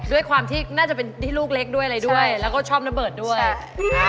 ด้วยความที่น่าจะเป็นที่ลูกเล็กด้วยอะไรด้วยแล้วก็ชอบระเบิดด้วย